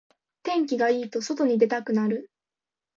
天気がいいと外に出たくなる